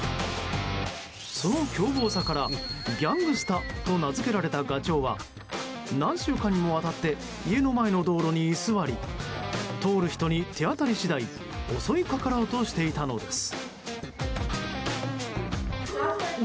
その凶暴さから、ギャングスタと名付けられたガチョウは何週間にもわたって家の前の道路に居座り通る人に手あたり次第襲いかかろうとしていたのです。